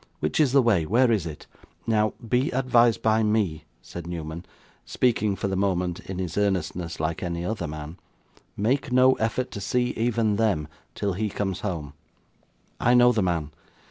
Which is the way? Where is it?' 'Now, be advised by me,' said Newman, speaking for the moment, in his earnestness, like any other man 'make no effort to see even them, till he comes home. I know the man.